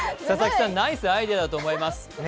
佐々木さん、ナイスアイデアだと思います。